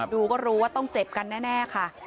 ดูก็รู้ว่าต้องเจ็บกันแน่ค่ะ